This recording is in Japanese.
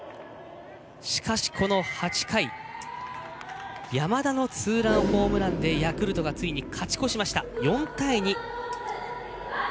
しかしこの８回スワローズ、山田のツーランホームランでついに勝ち越しました４対２です。